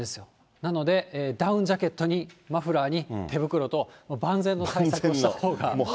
なので、ダウンジャケットにマフラーに手袋と、万全の対策をしたほうが。